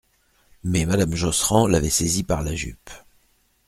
Mais madame Josserand l'avait saisie par la jupe.